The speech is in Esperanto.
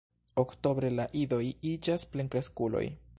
Oktobre la idoj iĝas plenkreskuloj.